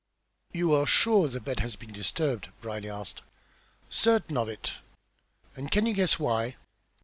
"You are sure the bed has been disturbed?" Brierly asked. "Certain of it!" "And can you guess why?"